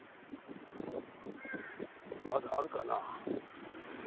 まだあるかなぁ？え？